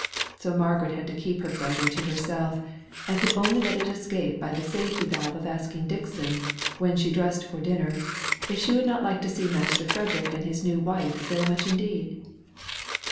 So Margaret had to keep her pleasure to herself, and could only let it escape by the safety valve of asking Dixon, when she dressed for dinner, if she would not like to see Master Frederick and his new wife very much indeed?